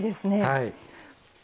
はい。